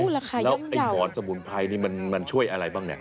แล้วไอ้หมอนสมุนไพรนี่มันช่วยอะไรบ้างเนี่ย